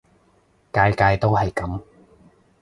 屆屆都係噉